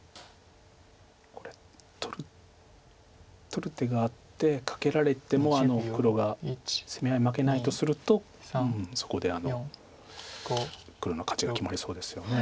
取る手があってカケられてもあの黒が攻め合い負けないとするとそこで黒の勝ちが決まりそうですよね。